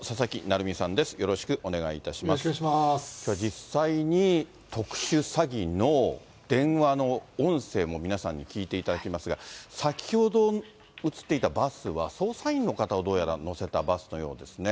実際に特殊詐欺の電話の音声も皆さんに聞いていただきますが、先ほど映っていたバスは、捜査員の方をどうやら乗せたバスのようですね。